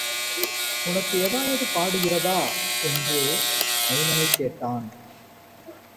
உனக்கு ஏதாவது படுகிறதா? என்று மைமனைக் கேட்டான்.